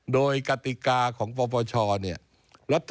โดยกติกาของประวัติศาสตร์